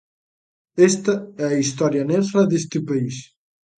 "Esta é a historia negra deste país".